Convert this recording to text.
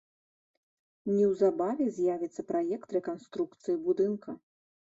Неўзабаве з'явіцца праект рэканструкцыі будынка.